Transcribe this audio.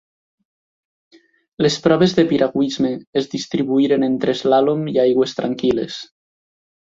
Les proves de piragüisme es distribuïren entre eslàlom i aigües tranquil·les.